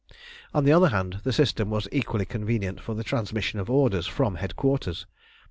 On the other hand, the system was equally convenient for the transmission of orders from headquarters.